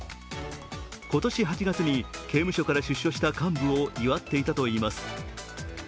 今年８月に刑務所から出所した幹部を祝っていたといいます。